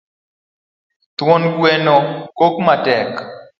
Thuon gweno kok matek